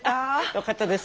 よかったです。